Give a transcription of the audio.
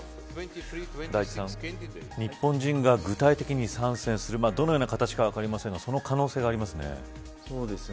大地さん、日本人が具体的に参戦するどのような形か分かりませんがその可能性がありますね。